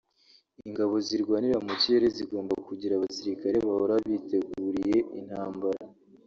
Ingabo zirwanira mu kirere zigomba kugira abasirikare bahora biteguriye intambara